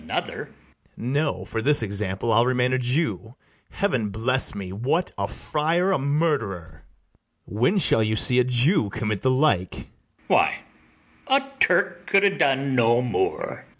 BARABAS. No; for this example I'll remain a Jew: Heaven bless me! what, a friar a murderer! When shall you see a Jew commit the like? ITHAMORE. Why, a Turk could ha' done no more.